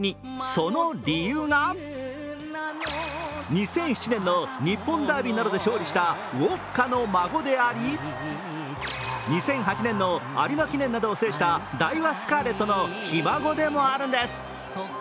その理由が２００７年の日本ダービーなどで勝利したウオッカの孫であり２００８年の有馬記念などを制したダイワスカーレットのひ孫でもあるんです。